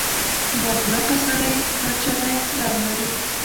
• بااخلاقه سړی هر چا ته احترام لري.